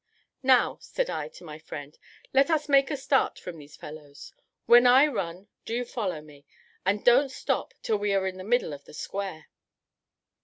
"Now," said I to my friend, "let us make a start from these fellows. When I run, do you follow me, and don't stop till we are in the middle of the square."